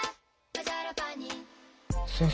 先生